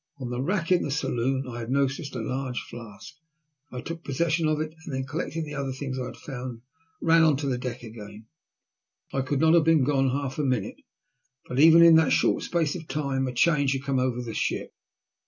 On the rack in the saloon I had noticed a large flask. I took possession of it, and then, collecting the other things I had found, ran on deck again. I could not have been gone half a minute, but even in that short space of time a change had come over the ship.